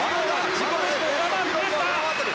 自己ベストを上回っている。